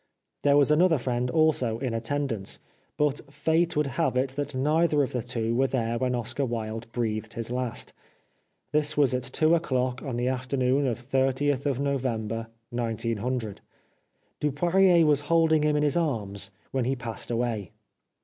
There was another friend also in attendance. But fate would have it that neither of the two were there when Oscar Wilde breathed his last. This was at two o'clock on the afternoon of 30th November 1900. Dupoirier was holding him in his arms when he passed away.